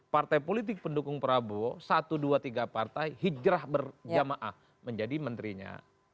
partai politik pendukung prabowo satu dua tiga partai hijrah berjamaah menjadi menterinya